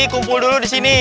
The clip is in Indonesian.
kumpul dulu di sini